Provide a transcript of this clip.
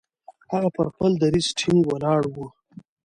هغه پر خپل دریځ ټینګ ولاړ وو.